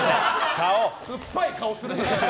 酸っぱい顔するな。